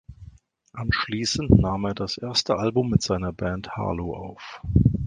Anschließend nahm er das erste Album mit seiner Band Harlow auf.